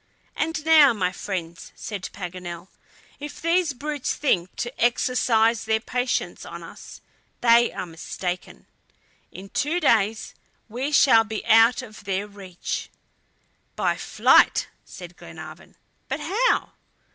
"And now, my friends," said Paganel, "if these brutes think to exercise their patience on us, they are mistaken. In two days we shall be out of their reach." "By flight!" said Glenarvan. "But how?"